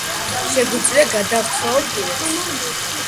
შეგვიძლია გადავთვალოთ კიდეც.